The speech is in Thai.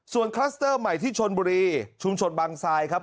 ส่วนคลัสเตอร์ใหม่ที่ชนบุรีชุมชนบางทรายครับ